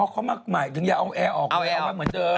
อ๋อเขามาหมายถึงอยากเอาแอร์ออกเหมือนเดิม